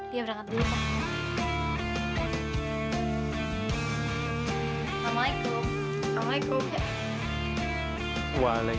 liya berangkat dulu pak